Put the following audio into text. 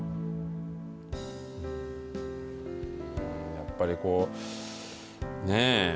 やっぱりこうね。